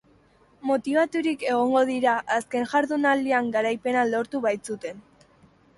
Motibaturik egongo dira azken jardunaldian garaipena lortu baitzuten.